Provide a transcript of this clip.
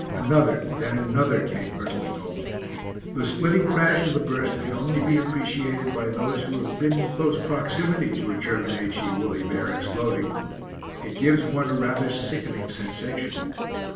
Another then another came hurtling over. The splitting crash of the burst can only be appreciated by those who have been in close proximity to a German H.E. Woolly Bear exploding. It gives one rather a sickening sensation.